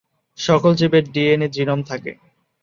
সকল জীবের DNA genome থাকে।